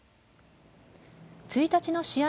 １日の試合